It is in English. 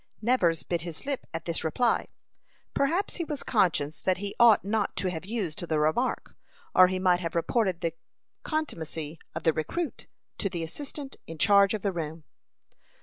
Nevers bit his lip at this reply. Perhaps he was conscious that he ought not to have used the remark, or he might have reported the contumacy of the recruit to the assistant in charge of the room.